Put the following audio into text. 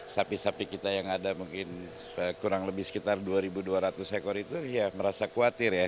sapi sapi kita yang ada mungkin kurang lebih sekitar dua dua ratus ekor itu ya merasa khawatir ya